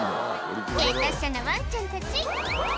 芸達者なワンちゃんたち